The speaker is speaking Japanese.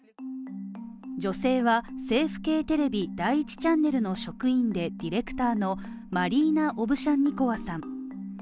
女性は政府系テレビ第１チャンネルの職員でディレクターのマリーナ・オブシャンニコワさん。